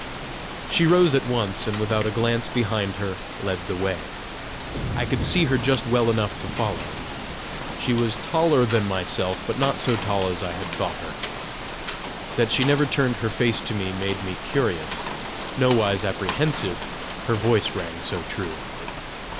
She rose at once, and without a glance behind her led the way. I could see her just well enough to follow. She was taller than myself, but not so tall as I had thought her. That she never turned her face to me made me curious nowise apprehensive, her voice rang so true.